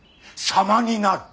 様になる。